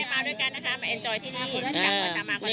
ไม่ได้มาด้วยกันนะคะมาเอ็นจอยที่นี่